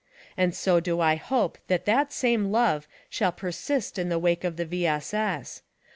And so do I hope that that same love shall persist in the wake of the V. S. S.